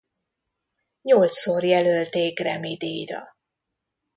Nyolcszor jelölték Grammy-díjra.